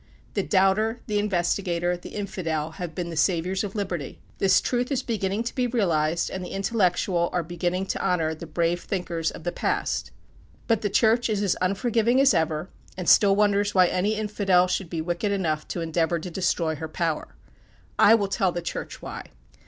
The doubter, the investigator, the Infidel, have been the saviors of liberty. This truth is beginning to be realized, and the intellectual are beginning to honor the brave thinkers of the past. But the Church is as unforgiving as ever, and still wonders why any Infidel should be wicked enough to endeavor to destroy her power. I will tell the Church why.